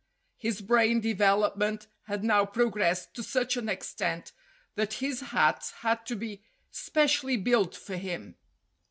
His brain development had now progressed to such an extent that his hats had to be specially built for him.